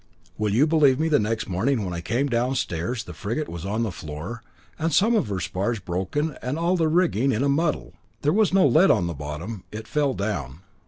Will you believe me, next morning when I came downstairs the frigate was on the floor, and some of her spars broken and all the rigging in a muddle." "There was no lead on the bottom. It fell down."